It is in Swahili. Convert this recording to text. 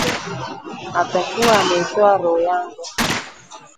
atakuwa ameitoa roho yangu